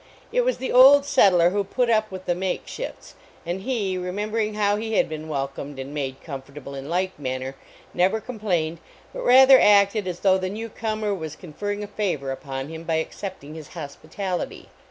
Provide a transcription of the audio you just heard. It was the old settler who put up with the makeshifts, and he, remembering how he had been welcomed and made comfortable in like manner, never complained, but rather acted as though the new comer was confer ring a favor upon him by accepting his hos pitality.